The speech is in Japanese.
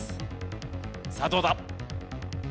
さあどうだ？